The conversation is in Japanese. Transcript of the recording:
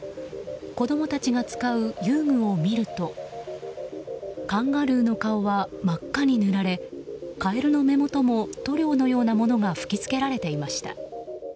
子供たちが使う遊具を見るとカンガルーの顔は真っ赤に塗られカエルの目元も塗料のようなものが吹き付けられていました。